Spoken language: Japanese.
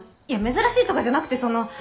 いや珍しいとかじゃなくてその。